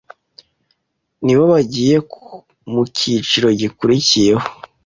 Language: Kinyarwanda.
nibo bagiye mu kiciro gikurikiyeho,